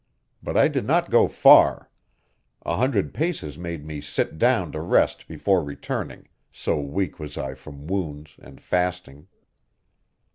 But I did not go far; a hundred paces made me sit down to rest before returning, so weak was I from wounds and fasting.